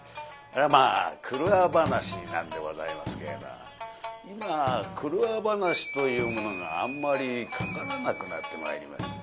まあ郭話なんでございますけれど今郭話というものがあんまりかからなくなってまいりました。